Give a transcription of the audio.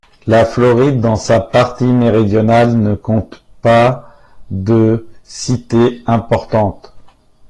La Floride, dans sa partie méridionale, ne compte pas de cités importantes.